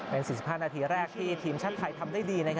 เป็น๔๕นาทีแรกที่ทีมชั่นไข่ทำได้ดีนะครับ